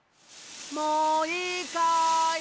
もういいかい？